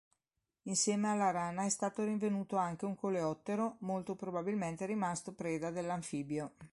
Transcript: Insieme alla rana è stato rinvenuto anche un coleottero, molto probabilmente rimasto preda dell’anfibio.